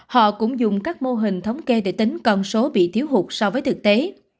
họ cũng dùng các mô hình thống kê để tính con số bị thiếu hụt so với thực tế